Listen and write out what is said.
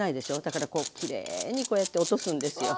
だからきれいにこうやって落とすんですよ。